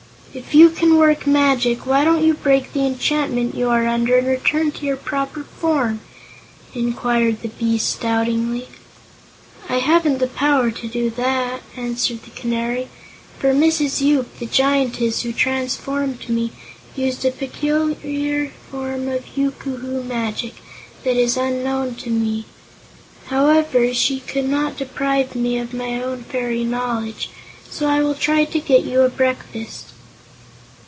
"If you can work magic, why don't you break the enchantment you are under and return to your proper form?" inquired the beast doubtingly. "I haven't the power to do that," answered the Canary, "for Mrs. Yoop, the Giantess who transformed me, used a peculiar form of yookoohoo magic that is unknown to me. However, she could not deprive me of my own fairy knowledge, so I will try to get you a breakfast."